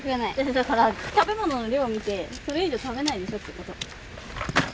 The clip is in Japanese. だから食べ物の量みてそれ以上食べないでしょってこと。